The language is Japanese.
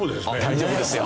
大丈夫ですよ。